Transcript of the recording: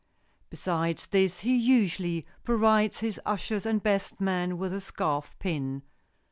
Besides this, he usually provides his ushers and best man with a scarf pin.